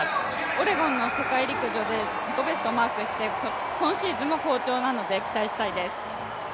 オレゴンの世界陸上で自己ベストをマークして今シーズンも好調なので期待したいです。